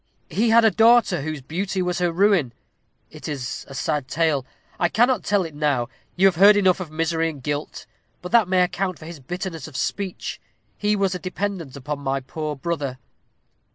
He had a daughter, whose beauty was her ruin: it is a sad tale; I cannot tell it now: you have heard enough of misery and guilt: but that may account for his bitterness of speech. He was a dependent upon my poor brother."